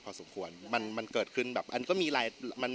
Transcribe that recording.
ขอสมควรมันเคิดขึ้นแบบอันนั้นก็มีใรน์